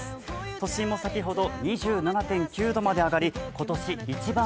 都心も先ほど２７．９度まで上がりました。